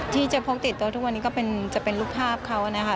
ที่จะพกติดตัวทุกวันนี้ก็จะเป็นรูปภาพเขานะคะ